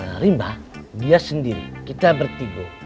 karimba dia sendiri kita bertigo